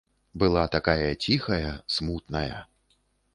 Была такая ціхая, смутная.